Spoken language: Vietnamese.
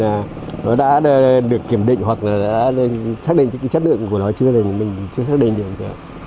nó đã được kiểm định hoặc là đã xác định chất lượng của nó chưa mình chưa xác định được